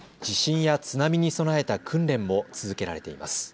地震や津波に備えた訓練も続けられています。